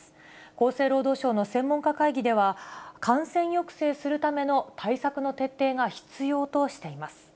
厚生労働省の専門家会議では、感染抑制するための対策の徹底が必要としています。